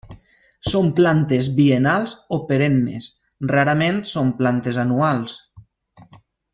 Són plantes biennals o perennes, rarament són plantes anuals.